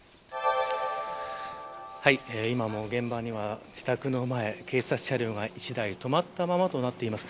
今も現場には自宅の前に警察車両が１台止まったままになっています。